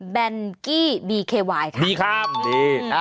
แนนกี้บีเควายค่ะดีครับดีอ่า